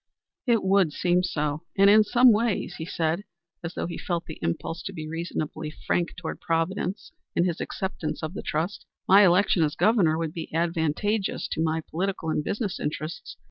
"It would seem so. And in some ways," he said, as though he felt the impulse to be reasonably frank toward Providence in his acceptance of the trust, "my election as Governor would be advantageous to my political and business interests.